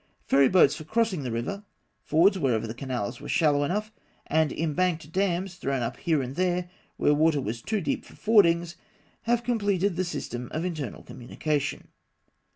Ferry boats for crossing the river, fords wherever the canals were shallow enough, and embanked dams thrown up here and there where the water was too deep for fordings, completed the system of internal communication.